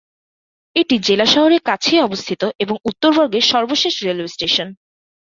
এটি জেলা শহরের কাছেই অবস্থিত এবং উত্তরবঙ্গের সর্বশেষ রেলওয়ে স্টেশন।